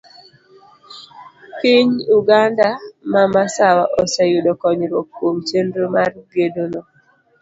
Piny Uganda ma masawa oseyudo konyruok kuom chenro mar gedono.